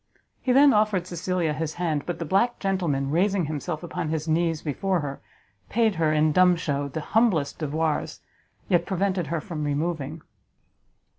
He then offered Cecilia his hand; but the black gentleman, raising himself upon his knees before her, paid her, in dumb shew, the humblest devoirs, yet prevented her from removing.